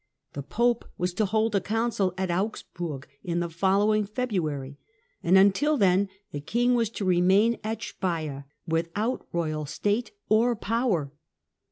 The Pope was to hold a Council at Augsburg in the following February, and until then the King was to remain at Speier (Spires) without royal state or power.